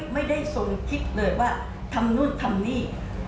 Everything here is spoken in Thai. ไม่ได้ทรงคิดเลยว่าทำนู่นทำนี่